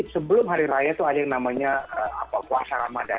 sebelum hari raya itu ada yang namanya puasa ramadhan